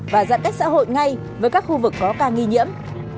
và giãn cách xã hội ngay với các khu vực có ca nghi nhiễm